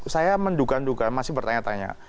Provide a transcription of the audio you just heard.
saya menduga duga masih bertanya tanya